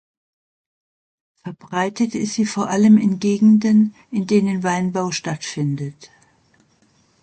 Verbreitet ist sie vor allem in Gegenden, in denen Weinbau stattfindet.